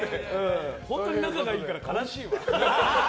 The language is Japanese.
本当に仲がいいから悲しいわ。